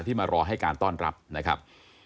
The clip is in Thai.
มารอให้การต้อนรับนะครับ